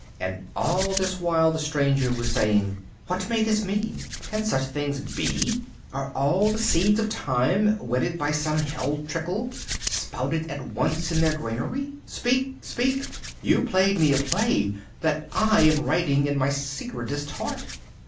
And all this while the stranger was saying, "What may this mean? Can such things be? Are all the seeds of time ... wetted by some hell trickle ... sprouted at once in their granary? Speak ... speak! You played me a play ... that I am writing in my secretest heart.